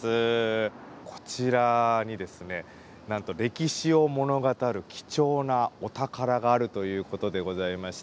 こちらにですねなんと歴史を物語る貴重なお宝があるということでございまして。